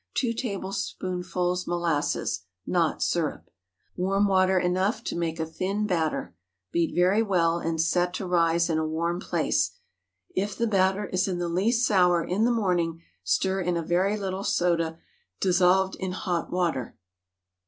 2 tablespoonfuls molasses—not syrup. Warm water enough to make a thin batter. Beat very well and set to rise in a warm place. If the batter is in the least sour in the morning, stir in a very little soda dissolved in hot water.